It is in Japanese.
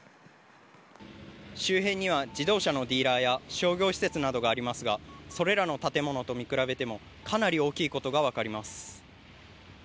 周辺には自動車のディーラーや商業施設などがありますがそれらの建物と見比べてもかなり大きいことが分かります。